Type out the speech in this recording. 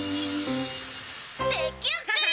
できあがり！